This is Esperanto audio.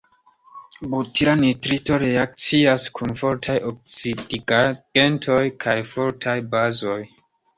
Butila nitrito reakcias kun fortaj oksidigagentoj kaj fortaj bazoj.